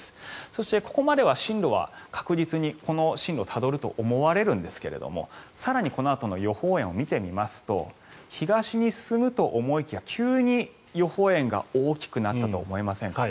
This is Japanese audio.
そしてここまでは進路は、確実にこの進路をたどると思われるんですが更にこのあとの予報円を見てみますと東に進むと思いきや急に予報円が大きくなったと思いませんか？